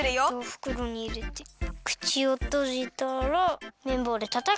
ふくろにいれてくちをとじたらめんぼうでたたく。